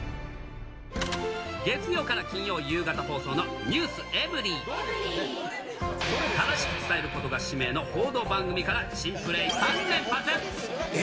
月曜から金曜夕方放送のｎｅｗｓｅｖｅｒｙ．正しく伝えることが使命の報道番組から、珍プレー３え？